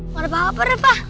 gak ada apa apa rafa